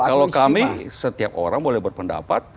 kalau kami setiap orang boleh berpendapat